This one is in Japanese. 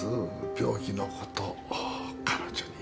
病気のこと彼女に。